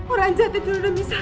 orang jahat itu udah misahin